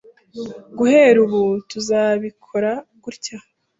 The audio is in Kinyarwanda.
Guhera ubu, tuzabikora gutya.